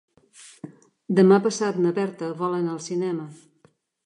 Demà passat na Berta vol anar al cinema.